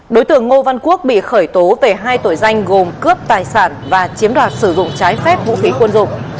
đối tượng ngô văn quốc bị khởi tố về hai tội danh gồm cướp tài sản và chiếm đoạt sử dụng trái phép vũ khí quân dụng